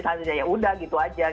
seanda ya udah gitu aja